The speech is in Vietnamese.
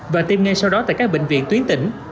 và tiêm ngay sau đó tại các bệnh viện tuyến tỉnh